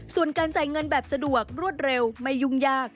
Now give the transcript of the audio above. ส่วนการจ่ายเงินแบบสะดวกรวดเร็วไม่ยุ่งยาก